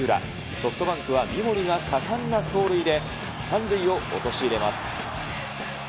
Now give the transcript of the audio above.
ソフトバンクは三森が果敢な走塁で、３塁を陥れます。